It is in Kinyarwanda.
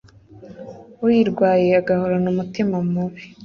uyirwaye agahorana umutima mubi